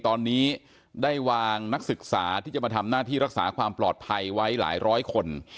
ตอนนี้ได้วางนักศึกษาที่จะมาทำหน้าที่รักษาความปลอดภัยไว้หลายร้อยคน